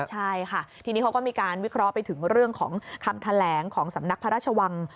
ใช่ค่ะทีนี้เขาก็มีการวิเคราะห์ไปถึงเรื่องของคำแถลงของสำนักพระราชวัง